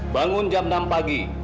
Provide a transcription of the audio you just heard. bangun jam enam pagi